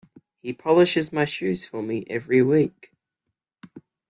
He polishes my shoes for me every week.